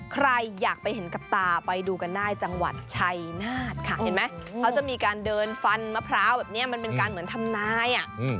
ใครอยากไปเห็นกับตาไปดูกันได้จังหวัดชัยนาธค่ะเห็นไหมเขาจะมีการเดินฟันมะพร้าวแบบนี้มันเป็นการเหมือนทำนายอ่ะ